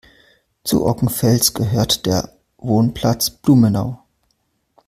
Zu Ockenfels gehört der Wohnplatz "Blumenau".